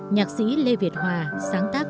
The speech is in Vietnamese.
nhạc sĩ lê việt hòa sáng tác